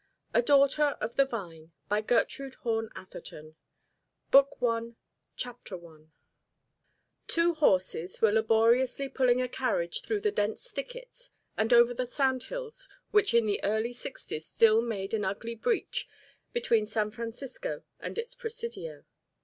A Daughter of the Vine BOOK I I Two horses were laboriously pulling a carriage through the dense thickets and over the sandhills which in the early Sixties still made an ugly breach between San Francisco and its Presidio.